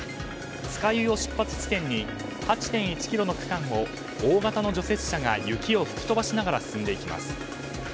酸ヶ湯を出発地点に８．１ｋｍの区間を大型の除雪車が雪を吹き飛ばしながら進んでいきます。